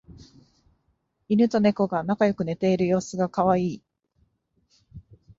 イヌとネコが仲良く寝ている様子がカワイイ